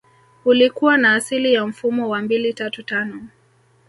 Ulikua na asili ya mfumo wa mbili tatu tano